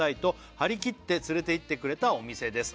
「張り切って連れて行ってくれたお店です」